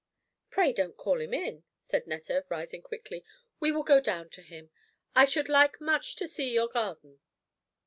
"Pray don't call him in," said Netta, rising quickly; "we will go down to him. I should like much to see your garden."